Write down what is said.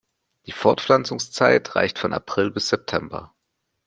Die Fortpflanzungszeit reicht von April bis September.